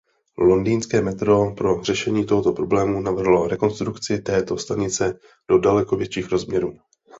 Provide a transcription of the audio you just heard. Londýnské metro pro řešení tohoto problému navrhlo rekonstrukci této stanice do daleko větších rozměrů.